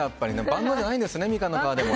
万能じゃないんですね